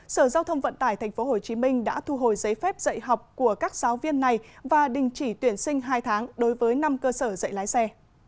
sở giao thông vận tải tp hcm đã thu hồi giấy phép dạy học của các giáo viên này và đình chỉ tuyển sinh hai tháng đối với năm cơ sở dạy lái xe